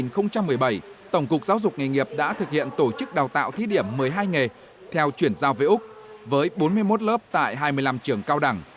chương trình cục giáo dục nghề nghiệp đã thực hiện tổ chức đào tạo thí điểm một mươi hai nghề theo chuyển giao với úc với bốn mươi một lớp tại hai mươi năm trường cao đẳng